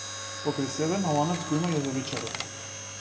Покрај себе на ланец го има јазовичарот.